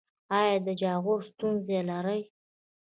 ایا د جاغور ستونزه لرئ؟